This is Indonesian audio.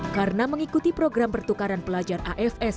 karena mengikuti program pertukaran pelajar afs